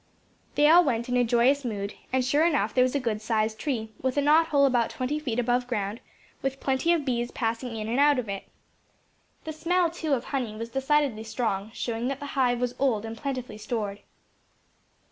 They all went in joyous mood, and sure enough there was a good sized tree, with a knot hole about twenty feet above ground, with plenty of bees passing in and out of it. The smell, too, of honey was decidedly strong, showing that the hive was old and plentifully stored.